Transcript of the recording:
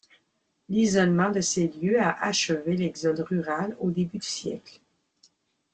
L'isolement de ces lieux a achevé l'exode rural au début du siècle.